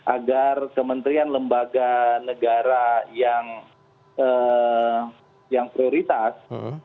agar kementerian lembaga negara yang prioritas